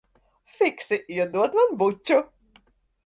Fiksi iedod man buču.